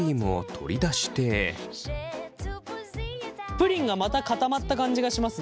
プリンがまた固まった感じがしますね。